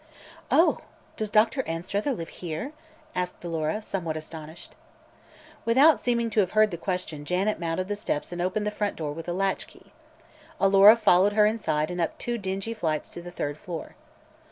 "Oh; does Doctor Anstruther live here?" asked Alora, somewhat astonished. Without seeming to have heard the question Janet mounted the steps and opened the front door with a latch key. Alora followed her inside and up two dingy flights to the third floor.